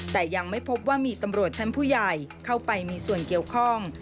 แต่ยังไม่พบว่ามีตำรวจชั้นผู้ใหญ่เข้าไปมีส่วนเกี่ยวข้อง